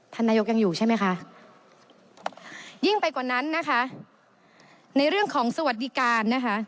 ท่านนายกยังอยู่ใช่ไหมคะยิ่งไปกว่านั้นนะคะในเรื่องของสวัสดิการนะคะ